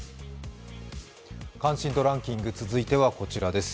関心度ランキング続いてはこちらです。